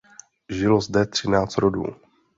Žilo zde třináct rodů.